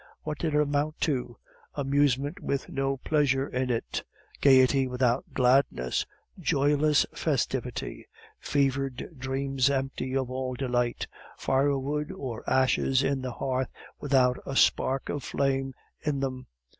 What did it amount to? Amusement with no pleasure in it, gaiety without gladness, joyless festivity, fevered dreams empty of all delight, firewood or ashes on the hearth without a spark of flame in them.